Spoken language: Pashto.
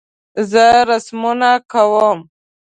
زه رسمونه کوم